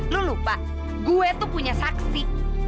lu lupa gue tuh punya saksi